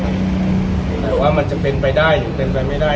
ผมอยากว่ามันจะเป็นไปได้อยู่เป็นไปได้